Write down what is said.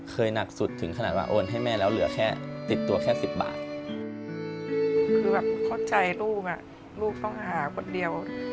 คือเข้าใจลูกลูกต้องหาคนเดียว